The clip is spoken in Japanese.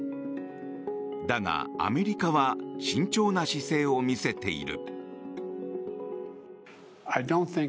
だが、アメリカは慎重な姿勢を見せている。